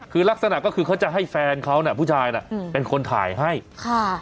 คือลักษณะก็คือเขาจะให้แฟนเขาน่ะผู้ชายน่ะอืมเป็นคนถ่ายให้ค่ะ